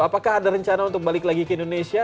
apakah ada rencana untuk balik lagi ke indonesia